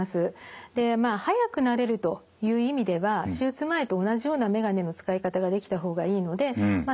でまあ早く慣れるという意味では手術前と同じような眼鏡の使い方ができた方がいいのでまあ